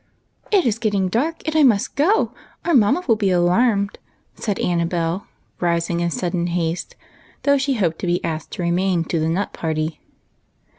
" It is getting dark, and I must go, or mamma will be alarmed," said Annabel rising in sudden haste, though she hoped to be asked to remain to the nut party.